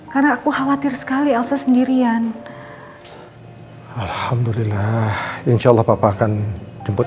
karena aku khawatir sekali elsa sendirian alhamdulillah insyaallah papa akan jemput